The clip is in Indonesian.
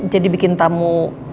jadi bikin tamu